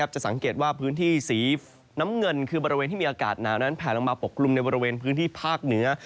จะสังเกตว่าพื้นที่สีน้ำเงินคือบริเวณที่มีอากาศหนาวนั้นแผลลงมาปกกลุ่มในบริเวณพื้นที่ภาคเหนือ